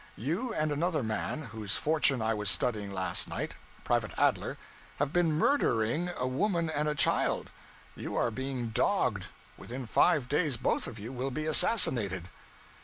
You and another man, whose fortune I was studying last night, Private Adler, have been murdering a woman and a child! You are being dogged: within five days both of you will be assassinated.'